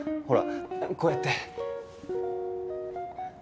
ほらこうやって。